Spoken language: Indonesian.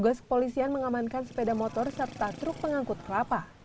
dan mengamankan sepeda motor serta truk pengangkut rapa